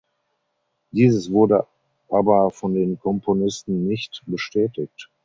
Dieses wurde aber von den Komponisten nicht bestätigt.